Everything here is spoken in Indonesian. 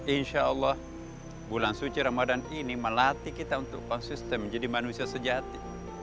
insya allah bulan suci ramadan ini melatih kita untuk konsisten menjadi manusia sejati